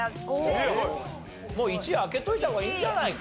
もう１位開けておいた方がいいんじゃないか？